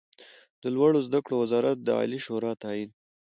د لوړو زده کړو وزارت د عالي شورا تائید